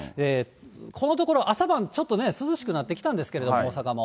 このところ、朝晩ちょっとね、涼しくなってきたんですけれども、大阪も。